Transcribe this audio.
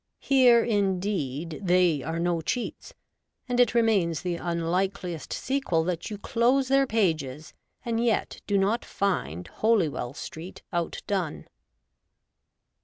Here, indeed^ they are no cheats, and it remains the imlikeliest sequel that you close their pages and yet do not find Holywell Street outdone.